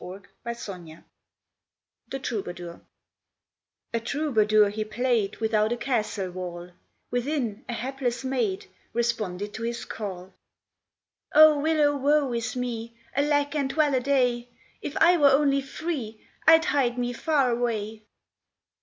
THE TROUBADOUR A Troubadour he played Without a castle wall, Within, a hapless maid Responded to his call. "Oh, willow, woe is me! Alack and well a day! If I were only free I'd hie me far away!"